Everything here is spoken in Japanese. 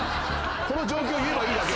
この状況を言えばいいだけ。